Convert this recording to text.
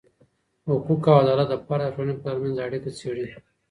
حقوق او عدالت د فرد او ټولني ترمنځ اړیکه څیړې.